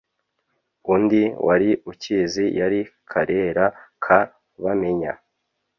Undi wari ukizi yari Karera ka Bamenya,